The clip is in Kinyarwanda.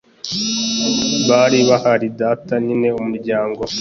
bari bahari data, nyina, umuryango